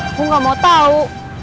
aku nggak mau tahu